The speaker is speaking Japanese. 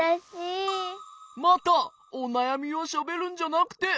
おなやみをしゃべるんじゃなくてよいしょ！